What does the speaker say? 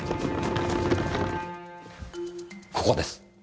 ここです。